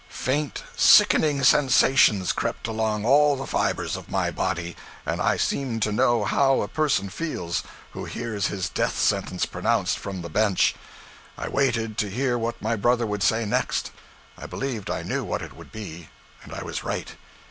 Faint, sickening sensations crept along all the fibers of my body, and I seemed to know how a person feels who hears his death sentence pronounced from the bench. I waited to hear what my brother would say next. I believed I knew what it would be, and I was right.